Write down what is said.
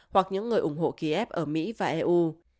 hoặc những người ủng hộ kiev ở mỹ và eu